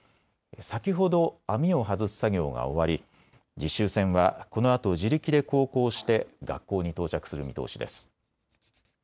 先ほど網を外す作業が終わり、実習船はこのあと自力で航行して学校に到着する見通しです。